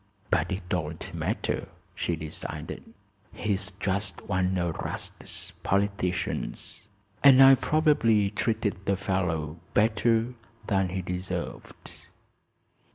"But it don't matter," she decided. "He's just one o' 'Rast's politicians, and I probably treated the fellow better than he deserved."